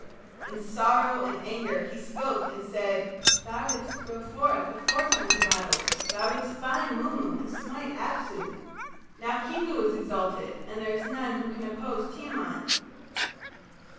In sorrow and anger he spoke and said, "Thou didst go forth aforetime to battle; thou didst bind Mummu and smite Apsu. Now Kingu is exalted, and there is none who can oppose Tiamat."